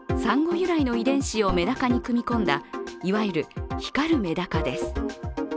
由来の遺伝子をメダカに組み込んだいわゆる光るメダカです。